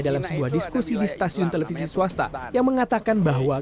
dalam sebuah diskusi di stasiun televisi swasta yang mengatakan bahwa